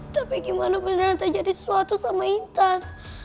tapi gimana beneran tak jadi suatu sama intan